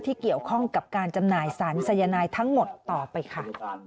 เกี่ยวข้องกับการจำหน่ายสารสายนายทั้งหมดต่อไปค่ะ